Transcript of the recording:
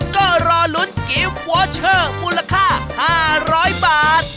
ก็รอลุ้นเกมวอร์เชอร์มูลค่า๕๐๐บาท